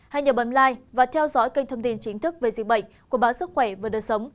hãy nhớ bấm like và theo dõi kênh thông tin chính thức về dịch bệnh của báo sức khỏe và đơn sống